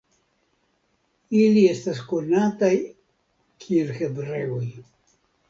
Ili estas ankaŭ konataj kiel hebreoj.